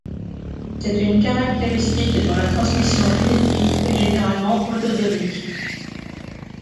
C'est une caractéristique dont la transmission génétique est généralement autosomique.